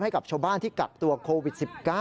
ให้กับชาวบ้านที่กักตัวโควิด๑๙